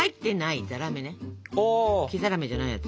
黄ざらめじゃないやつ。